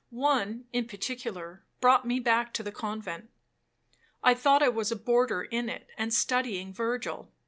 One, in particular, brought me back to the convent. I thought I was a boarder in it, and studying Virgil.